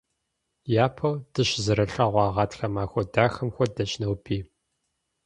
Япэу дыщызэрылъэгъуа гъатхэ махуэ дахэм хуэдэщ ноби.